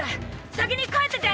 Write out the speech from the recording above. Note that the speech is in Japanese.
先に帰ってて！